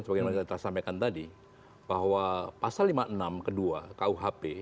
seperti yang saya sampaikan tadi bahwa pasal lima puluh enam kedua kuhp